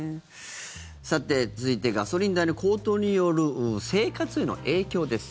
続いてガソリン代の高騰による生活への影響です。